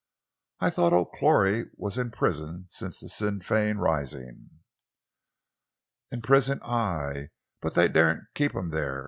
"I thought O'Clory was in prison since the Sinn Fein rising." "In prison, aye, but they daren't keep him there!"